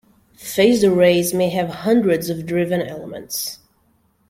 Phased arrays may have hundreds of driven elements.